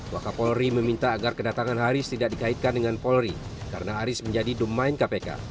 wakapolri meminta agar kedatangan haris tidak dikaitkan dengan polri karena aris menjadi domain kpk